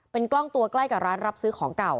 เป็นกล้องตัวใกล้กับร้านรับซื้อของเก่า